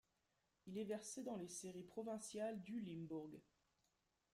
Il est versé dans les séries provinciales du Limbourg.